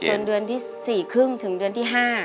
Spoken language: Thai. พอจนเดือนที่สี่ครึ่งถึงเดือนที่ห้า